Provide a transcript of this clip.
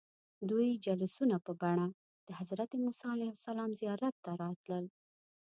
دوی جلوسونه په بڼه د حضرت موسى علیه السلام زیارت ته راتلل.